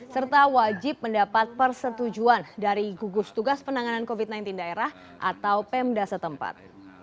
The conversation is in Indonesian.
serta wajib mendapat persetujuan dari gugus tugas penanganan covid sembilan belas daerah atau pemda setempat